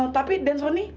tapi dan soni